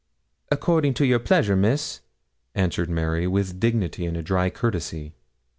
'According to your pleasure, Miss,' answered Mary, with dignity, and a dry courtesy.